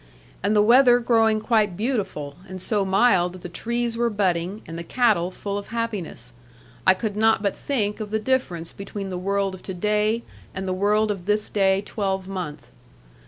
And the weather growing quite beautiful, and so mild that the trees were budding, and the cattle full of happiness, I could not but think of the difference between the world of to day and the world of this day twelvemonth.